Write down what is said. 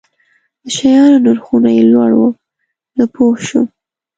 د شیانو نرخونه یې لوړ وو، زه پوه شوم.